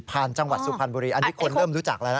จังหวัดสุพรรณบุรีอันนี้คนเริ่มรู้จักแล้วนะ